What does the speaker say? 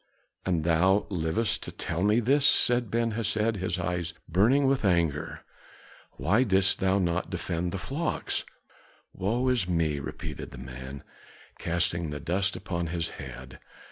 "And thou livest to tell me this," said Ben Hesed, his eyes burning with anger. "Why didst thou not defend the flocks?" "Woe is me!" repeated the man, casting the dust upon his head.